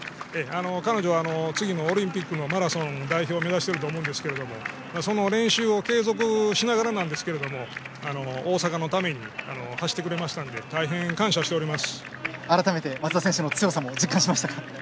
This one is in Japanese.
彼女は次のオリンピックのマラソン代表を目指していると思うんですけどその練習を継続しながらですが大阪のために走ってくれましたので大変感謝しております。